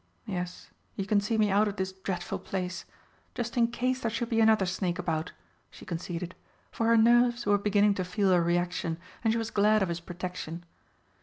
Yes, you can see me out of this dreadful place just in case there should be another snake about," she conceded, for her nerves were beginning to feel a reaction, and she was glad of his protection.